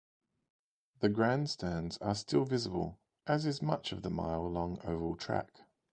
The grandstands are still visible, as is much of the mile-long oval track.